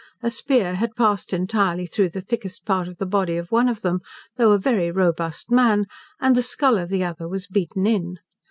A spear had passed entirely through the thickest part of the body of one of them, though a very robust man, and the skull of the other was beaten in.